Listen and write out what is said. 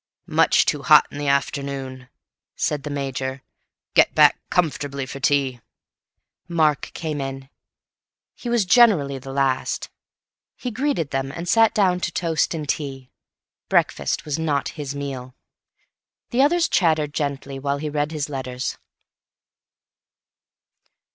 "Much too hot in the afternoon," said the Major. "Get back comfortably for tea." Mark came in. He was generally the last. He greeted them and sat down to toast and tea. Breakfast was not his meal. The others chattered gently while he read his letters.